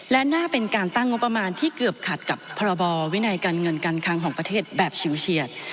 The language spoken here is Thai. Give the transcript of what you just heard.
และน่าเป็นการตั้งงบประมาณที่เกือบขัดกับพรบวินัยการเงินการคังของประเทศแบบชิวเฉียด